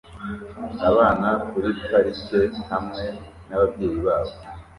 Abana kuri parike hamwe nababyeyi babo